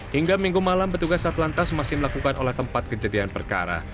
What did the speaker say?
hingga minggu malam petugas satlantas masih melakukan olah tempat kejadian perkara